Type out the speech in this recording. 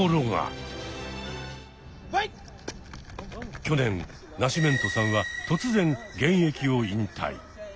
去年ナシメントさんは突然現役を引退。